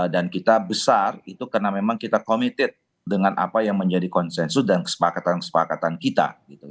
dan kita besar itu karena memang kita committed dengan apa yang menjadi konsensus dan kesepakatan kesepakatan kita